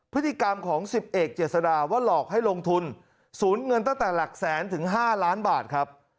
พฤติกรรมของ๑๐เอกเจษฎาว่าหลอกให้ลงทุนสูญเงินตั้งแต่หลักแสนถึง๕ล้านบาทครับ